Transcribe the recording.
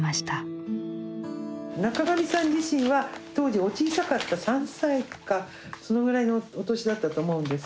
中上さん自身は当時お小さかった３歳かそのぐらいのお年だったと思うんです。